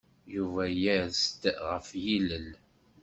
Yuba yers-d ɣef yilel.